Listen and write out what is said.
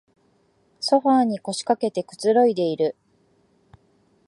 ソファーに腰かけてくつろいでいる